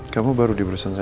kamu baru di perusahaan saya